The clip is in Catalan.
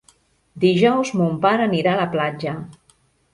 Dijous mon pare anirà a la platja.